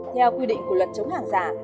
theo quy định của luật chống hàng giả